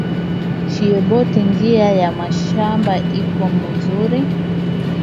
Shiye bote njia ya mashamba iko muzuri